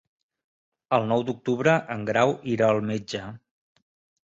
El nou d'octubre en Grau irà al metge.